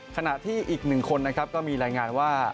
ขณะที่อีกหนึ่งคนนะครับก็มีรายงานว่า